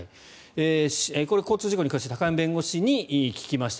これは交通事故に詳しい高山弁護士に聞きました。